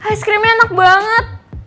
ice creamnya enak banget